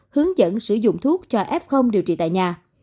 hướng dẫn sử dụng thuốc cho f điều trị tại nhà